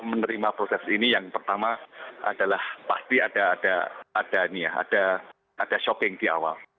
dan menerima proses ini yang pertama adalah pasti ada shopping di awal